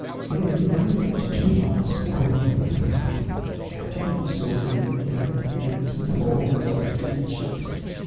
They are divided into two lots, according to their size, after being sorted in a dozen sieves with holes of different dimensions.